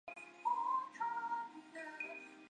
现为无线电视旗下经理人合约女艺员。